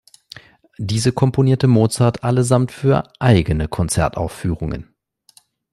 Diese komponierte Mozart allesamt für eigene Konzertaufführungen.